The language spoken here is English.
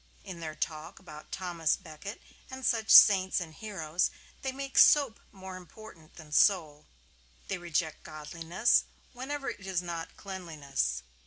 In their talk about Thomas Becket and such saints and heroes they make soap more important than soul; they reject godliness whenever it is not cleanliness.